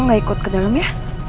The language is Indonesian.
maaf aku gak ikut ke dalam ya